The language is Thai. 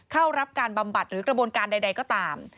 เข้ารับการบำบัดหรือกระบวนการใดก็ตาม